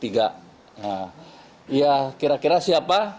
ya kira kira siapa